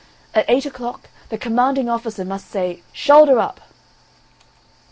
At eight o'clock the commanding officer must say, 'Shoulder up.'"